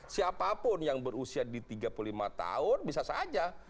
siapapun yang berusia di tiga puluh lima tahun bisa saja